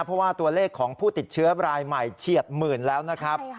เพราะว่าตัวเลขของผู้ติดเชื้อรายใหม่เฉียดหมื่นแล้วนะครับ